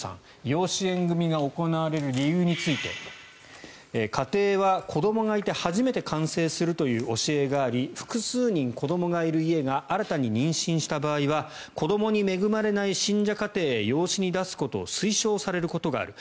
養子縁組が行われる理由について家庭は子どもがいて初めて完成するという教えがあり複数人子どもがいる家が新たに妊娠した場合は子どもに恵まれない信者家庭へ養子に出すことを推奨されることがある。